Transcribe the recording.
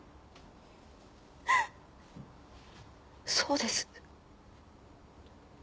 そうです。